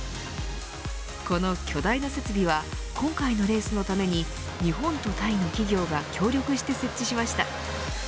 この巨大な設備は今回のレースのために日本とタイの企業が協力して設置しました。